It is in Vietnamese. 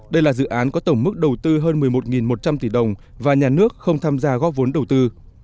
đây là dự án có tổng mức đầu tư hơn một mươi một một trăm linh tỷ đồng và nhà nước không tham gia góp vốn đầu tư